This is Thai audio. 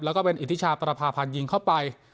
แล้วก็เป็นอิทธิชาประพาพันธ์ยิงเข้าไป